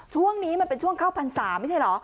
ช่วงนี้มันเป็นช่วงเข้าพรรษาไม่ใช่เหรอ